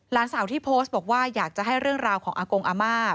หลานสาวที่โพสต์บอกว่าอยากจะให้เรื่องราวของอากงอาม่า